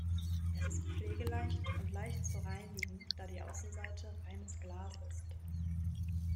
Es ist pflegeleicht und leicht zu reinigen, da die Außenseite reines Glas ist.